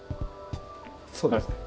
そうです。